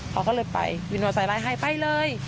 พอเขาเลยไปวินมอสไซค์ไล่ให้ไปเลย